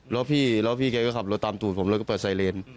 แล้วพี่ก็ขับรถตามถูกแล้วก็เปิดไซเรน